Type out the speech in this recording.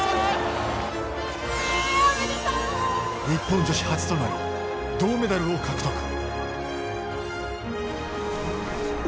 日本女子初となる銅メダルを獲得。